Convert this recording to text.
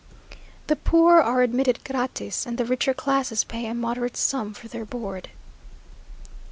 The poor are admitted gratis, and the richer classes pay a moderate sum for their board....